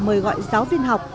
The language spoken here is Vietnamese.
mời gọi giáo viên học